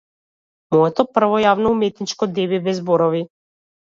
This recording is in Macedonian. Моето прво јавно уметничко деби без зборови.